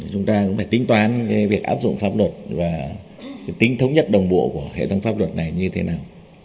chúng ta cũng phải tính toán việc áp dụng pháp luật và tính thống nhất đồng bộ của hệ thống pháp luật này như thế nào